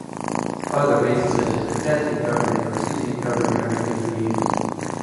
Other bases such as potassium carbonate or cesium carbonate are occasionally used.